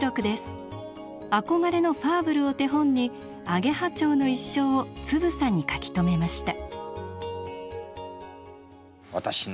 憧れのファーブルを手本にアゲハチョウの一生をつぶさに書き留めました。